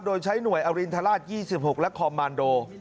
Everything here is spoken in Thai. โดยใช้หน่วยอรินทราช๒๖และคอมมานโด